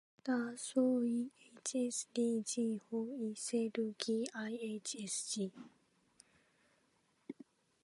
だそい ｈｓｄｇ ほ；いせるぎ ｌｈｓｇ